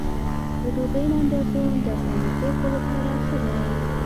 د دوبۍ نندارتون د افغاني توکو لپاره ښه دی